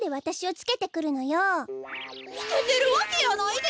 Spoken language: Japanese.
つけてるわけやないで！